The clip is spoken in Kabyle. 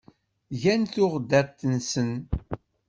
Gan tuɣdaṭ-nsen.